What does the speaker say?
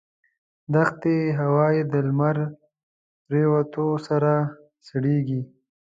دښتي هوا یې د لمر پرېوتو سره سړېږي.